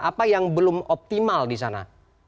apa yang belum optimal di sana